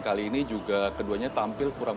kali ini juga keduanya tampil kurang